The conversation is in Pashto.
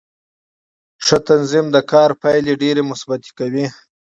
ښه تنظیم د کار پایلې ډېرې مثبتې کوي